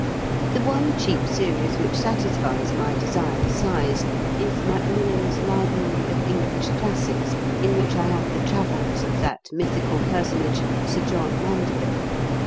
The one cheap series which satisfies my desire for size is Macmillan's "Library of English Classics," in which I have the "Travels" of that mythical personage, Sir John Mandeville.